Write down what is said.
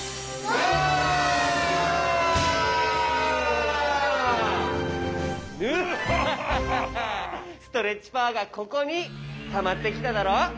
ストレッチパワーがここにたまってきただろ！